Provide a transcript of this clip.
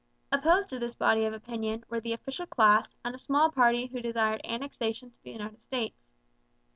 Opposed to this body of opinion were the official class and a small party who desired annexation to the United States.